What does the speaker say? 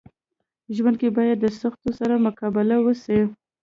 ژوند کي باید د سختيو سره مقابله وسي.